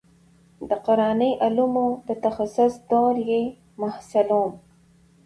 د قراني علومو د تخصص دورې محصل وم.